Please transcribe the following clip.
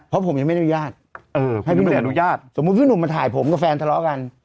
เพราะผมยังไม่ได้อนุญาตให้พี่หนุ่มอนุญาตสมมุติพี่หนุ่มมาถ่ายผมกับแฟนทะเลาะกัน